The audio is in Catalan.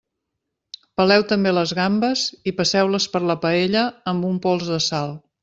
Peleu també les gambes i passeu-les per la paella amb un pols de sal.